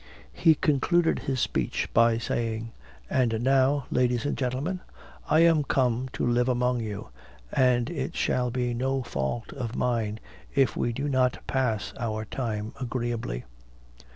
He concluded his speech by saying: "And now, ladies and gentlemen, I am come to live among you, and it shall be no fault of mine, if we do not pass our time agreeably."